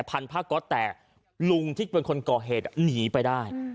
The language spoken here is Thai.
พันผ้าก๊อตแต่ลุงที่เป็นคนก่อเหตุหนีไปได้